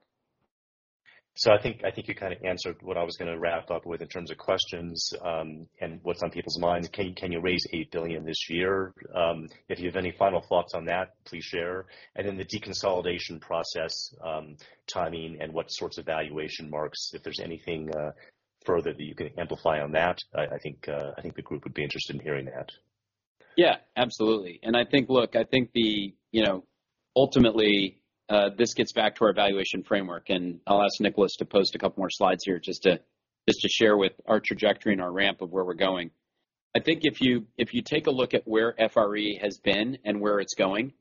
I think you kind of answered what I was going to wrap up with in terms of questions, and what's on people's minds. Can you raise $8 billion this year? If you have any final thoughts on that, please share. The deconsolidation process, timing and what sorts of valuation marks, if there's anything further that you can amplify on that, I think the group would be interested in hearing that. Yeah, absolutely. I think, you know, ultimately, this gets back to our valuation framework. I'll ask Nicholas to post a couple more slides here just to share with our trajectory and our ramp of where we're going. I think if you take a look at where FRE has been and where it's going,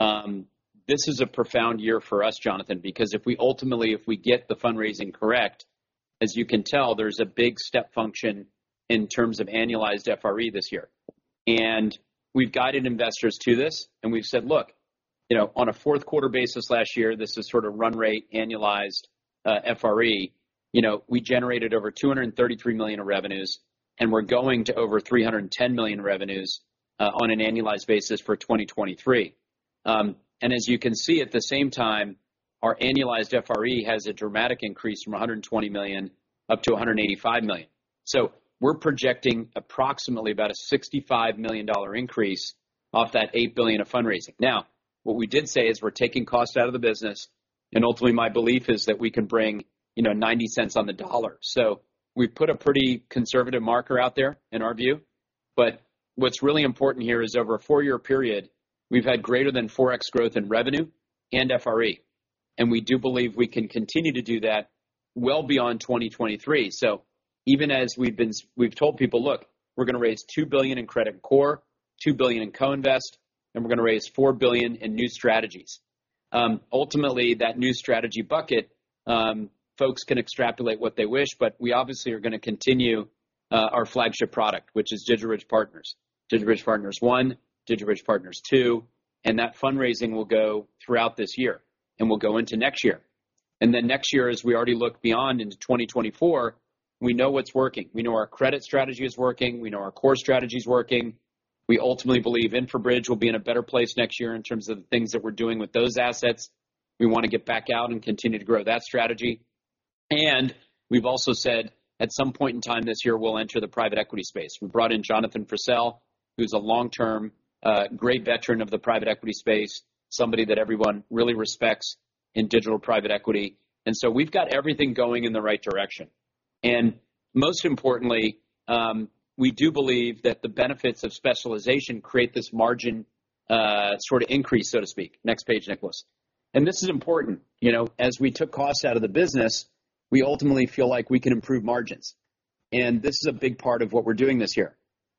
this is a profound year for us, Jonathan, because if we ultimately, if we get the fundraising correct, as you can tell, there's a big step function in terms of annualized FRE this year. We've guided investors to this, and we've said, "Look, you know, on a fourth quarter basis last year, this is sort of run rate annualized FRE. You know, we generated over $233 million of revenues, and we're going to over $310 million in revenues on an annualized basis for 2023. As you can see, at the same time, our annualized FRE has a dramatic increase from $120 million up to $185 million. We're projecting approximately about a $65 million increase off that $8 billion of fundraising. What we did say is we're taking costs out of the business, and ultimately, my belief is that we can bring, you know, $0.90 on the dollar. We've put a pretty conservative marker out there in our view. What's really important here is over a 4-year period, we've had greater than 4x growth in revenue and FRE, and we do believe we can continue to do that well beyond 2023. Even as we've told people, "Look, we're gonna raise $2 billion in credit core, $2 billion in co-invest, and we're gonna raise $4 billion in new strategies." Ultimately, that new strategy bucket, folks can extrapolate what they wish, but we obviously are gonna continue our flagship product, which is DigitalBridge Partners, DigitalBridge Partners I, DigitalBridge Partners II, and that fundraising will go throughout this year and will go into next year. Then next year, as we already look beyond into 2024, we know what's working. We know our credit strategy is working. We know our core strategy is working. We ultimately believe InfraBridge will be in a better place next year in terms of the things that we're doing with those assets. We wanna get back out and continue to grow that strategy. We've also said at some point in time this year, we'll enter the private equity space. We brought in Jonathan Purcell, who's a long-term great veteran of the private equity space, somebody that everyone really respects in digital private equity. We've got everything going in the right direction. Most importantly, we do believe that the benefits of specialization create this margin sorta increase, so to speak. Next page, Nicholas. This is important. You know, as we took costs out of the business, we ultimately feel like we can improve margins. This is a big part of what we're doing this year.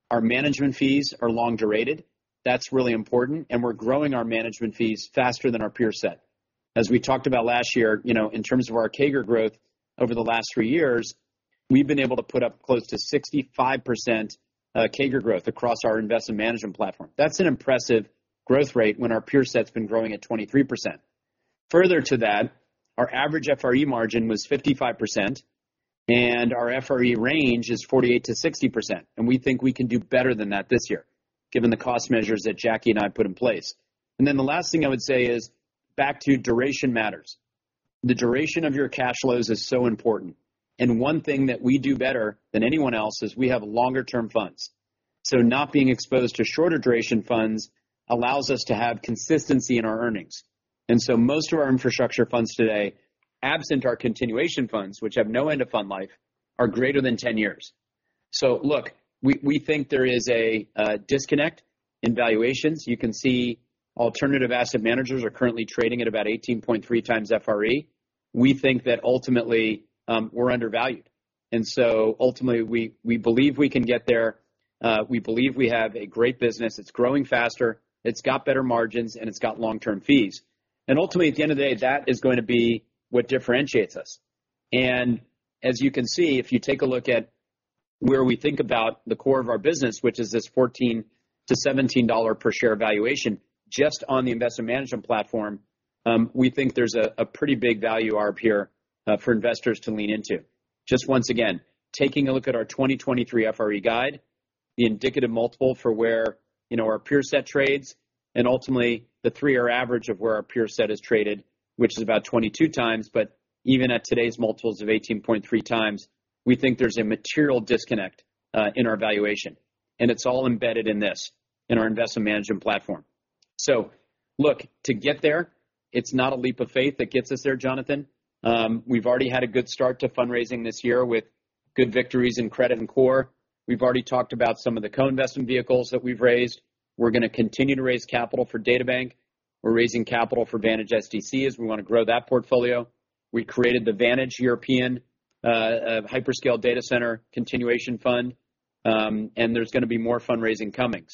Our management fees are long-durated. That's really important. We're growing our management fees faster than our peer set. As we talked about last year, you know, in terms of our CAGR growth over the last three years, we've been able to put up close to 65% CAGR growth across our investment management platform. That's an impressive growth rate when our peer set's been growing at 23%. Further to that, our average FRE margin was 55%. Our FRE range is 48%-60%, and we think we can do better than that this year, given the cost measures that Jackie and I put in place. The last thing I would say is back to duration matters. The duration of your cash flows is so important. One thing that we do better than anyone else is we have longer-term funds. Not being exposed to shorter duration funds allows us to have consistency in our earnings. Most of our infrastructure funds today, absent our continuation funds, which have no end of fund life, are greater than 10 years. Look, we think there is a disconnect in valuations. You can see alternative asset managers are currently trading at about 18.3x FRE. We think that ultimately, we're undervalued. Ultimately, we believe we can get there. We believe we have a great business. It's growing faster, it's got better margins, and it's got long-term fees. Ultimately, at the end of the day, that is going to be what differentiates us. As you can see, if you take a look at where we think about the core of our business, which is this $14-$17 per share valuation, just on the investment management platform, we think there's a pretty big value arb for investors to lean into. Just once again, taking a look at our 2023 FRE guide, the indicative multiple for where, you know, our peer set trades and ultimately the 3-year average of where our peer set has traded, which is about 22x. Even at today's multiples of 18.3x, we think there's a material disconnect in our valuation, and it's all embedded in this, in our investment management platform. Look, to get there, it's not a leap of faith that gets us there, Jonathan. We've already had a good start to fundraising this year with good victories in credit and core. We've already talked about some of the co-investment vehicles that we've raised. We're gonna continue to raise capital for DataBank. We're raising capital for Vantage SDC as we wanna grow that portfolio. We created the Vantage European hyperscale data center continuation fund, and there's gonna be more fundraising coming.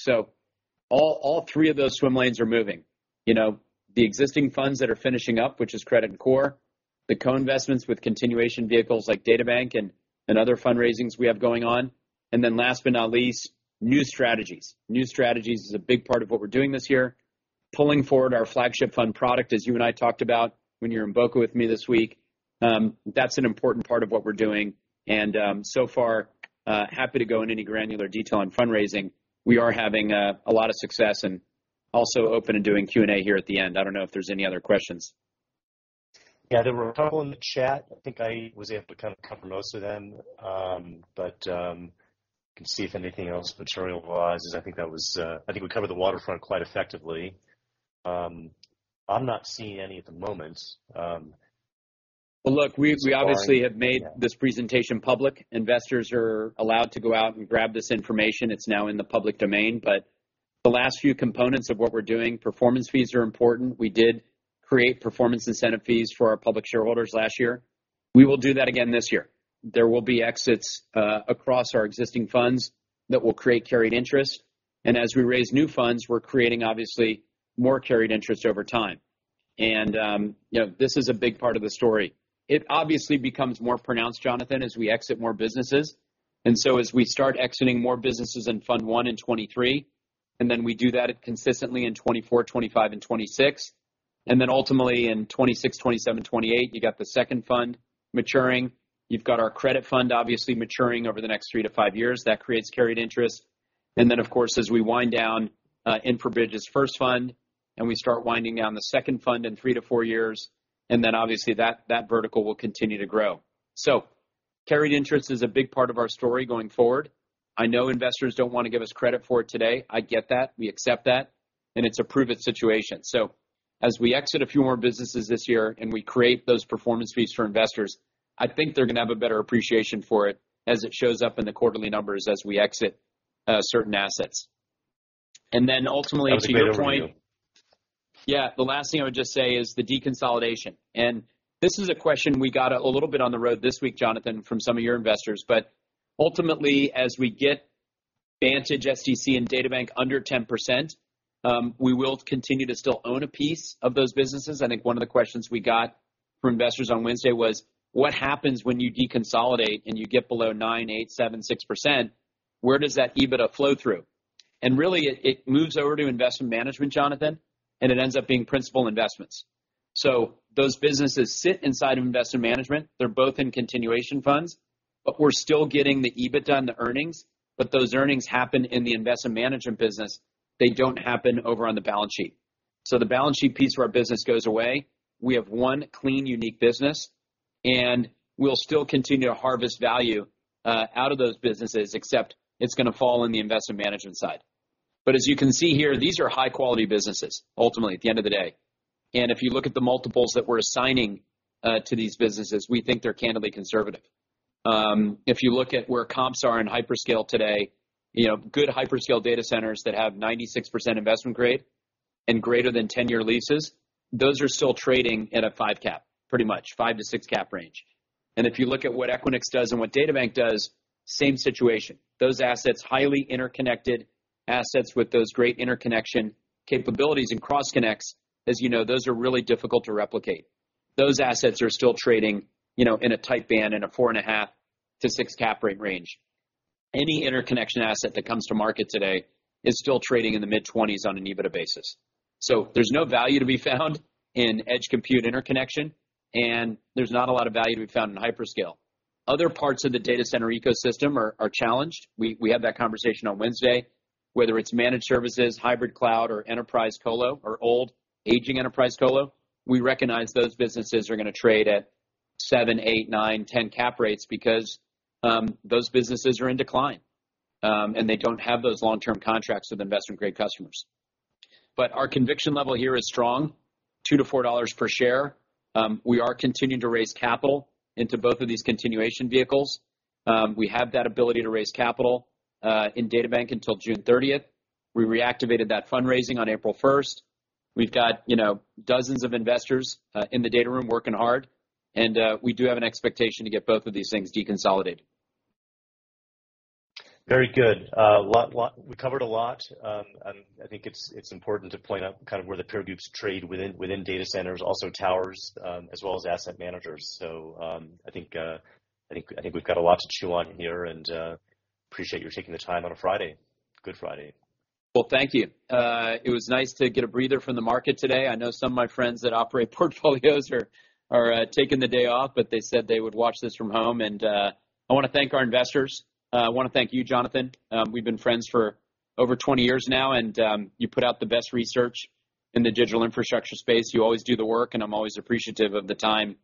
All three of those swim lanes are moving. You know, the existing funds that are finishing up, which is credit and core, the co-investments with continuation vehicles like DataBank and other fundraisings we have going on. Last but not least, new strategies. New strategies is a big part of what we're doing this year. Pulling forward our flagship fund product, as you and I talked about when you were in Boca with me this week, that's an important part of what we're doing. So far, happy to go in any granular detail on fundraising. We are having a lot of success and also open and doing Q&A here at the end. I don't know if there's any other questions. Yeah, there were a couple in the chat. I think I was able to kind of cover most of them. I can see if anything else materialized, as I think we covered the waterfront quite effectively. I'm not seeing any at the moment. Look, we obviously have made this presentation public. Investors are allowed to go out and grab this information. It's now in the public domain. The last few components of what we're doing, performance fees are important. We did create performance incentive fees for our public shareholders last year. We will do that again this year. There will be exits across our existing funds that will create carried interest. As we raise new funds, we're creating obviously more carried interest over time. You know, this is a big part of the story. It obviously becomes more pronounced, Jonathan, as we exit more businesses. As we start exiting more businesses in fund one in 2023, and then we do that consistently in 2024, 2025, and 2026. Ultimately in 2026, 2027, 2028, you got the second fund maturing. You've got our credit fund obviously maturing over the next 3-5 years. That creates carried interest. Then, of course, as we wind down InfraBridge's first fund, and we start winding down the second fund in 3-4 years, then obviously that vertical will continue to grow. Carried interest is a big part of our story going forward. I know investors don't wanna give us credit for it today. I get that. We accept that. It's a prove it situation. As we exit a few more businesses this year, and we create those performance fees for investors, I think they're gonna have a better appreciation for it as it shows up in the quarterly numbers as we exit certain assets. Ultimately to your point. That was a great overview. Yeah. The last thing I would just say is the deconsolidation. This is a question we got a little bit on the road this week, Jonathan, from some of your investors. Ultimately, as we get Vantage SDC and DataBank under 10%, we will continue to still own a piece of those businesses. I think one of the questions we got from investors on Wednesday was, "What happens when you deconsolidate and you get below 9%, 8%, 7%, 6%? Where does that EBITDA flow through?" Really it moves over to Investment Management, Jonathan, and it ends up being principal investments. Those businesses sit inside of Investment Management. They're both in continuation funds, but we're still getting the EBITDA and the earnings, but those earnings happen in the Investment Management business. They don't happen over on the balance sheet. The balance sheet piece of our business goes away. We have one clean, unique business, and we'll still continue to harvest value out of those businesses, except it's gonna fall in the investment management side. As you can see here, these are high quality businesses, ultimately at the end of the day. If you look at the multiples that we're assigning to these businesses, we think they're candidly conservative. If you look at where comps are in hyperscale today, you know, good hyperscale data centers that have 96% investment grade and greater than 10-year leases, those are still trading at a 5 cap, pretty much. 5-6 cap range. If you look at what Equinix does and what DataBank does, same situation. Those assets, highly interconnected assets with those great interconnection capabilities and cross connects, as you know, those are really difficult to replicate. Those assets are still trading, you know, in a tight band in a 4.5-6 cap rate range. Any interconnection asset that comes to market today is still trading in the mid-20s on an EBITDA basis. There's no value to be found in edge compute interconnection, and there's not a lot of value to be found in hyperscale. Other parts of the data center ecosystem are challenged. We had that conversation on Wednesday. Whether it's managed services, hybrid cloud or enterprise colo or old aging enterprise colo, we recognize those businesses are gonna trade at 7, 8, 9, 10 cap rates because those businesses are in decline. They don't have those long-term contracts with investment-grade customers. Our conviction level here is strong, $2-$4 per share. We are continuing to raise capital into both of these continuation vehicles. We have that ability to raise capital in DataBank until June 30. We reactivated that fundraising on April 1. We've got, you know, dozens of investors in the data room working hard, and we do have an expectation to get both of these things deconsolidated. Very good. We covered a lot. I think it's important to point out kind of where the peer groups trade within data centers, also towers, as well as asset managers. I think we've got a lot to chew on here and appreciate you taking the time on a Friday. Good Friday. Well, thank you. It was nice to get a breather from the market today. I know some of my friends that operate portfolios are taking the day off, but they said they would watch this from home. I wanna thank our investors. I wanna thank you, Jonathan. We've been friends for over 20 years now and you put out the best research in the digital infrastructure space. You always do the work, and I'm always appreciative of the time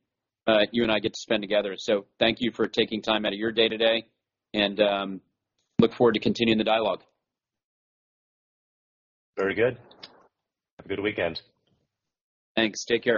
you and I get to spend together. Thank you for taking time out of your day today and look forward to continuing the dialogue. Very good. Have a good weekend. Thanks. Take care.